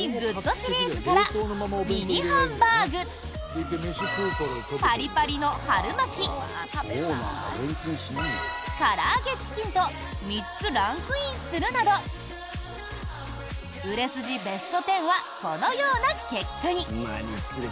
シリーズからミニハンバーグ、パリパリの春巻からあげチキンと３つランクインするなど売れ筋ベスト１０はこのような結果に！